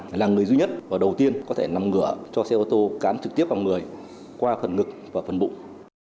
phải là người duy nhất và đầu tiên có thể nằm ngửa cho xe ô tô cán trực tiếp vào người qua phần ngực và phần bụng